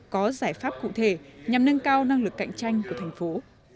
có giải pháp cụ thể nhằm nâng cao năng lực cạnh tranh của thành phố